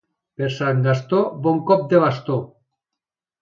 Per Sant Gastó, bon cop de bastó.